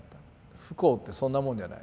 不幸ってそんなもんじゃない。